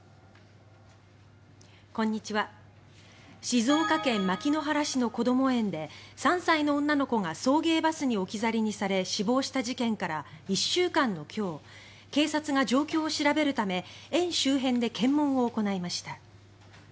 静岡県牧之原市のこども園で３歳の女の子が送迎バスに置き去りにされ死亡した事件から１週間の今日警察が状況を調べるため園周辺で検問を行いました。